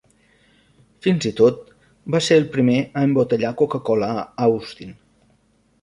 Fins i tot, va ser el primer a embotellar Coca-Cola a Austin.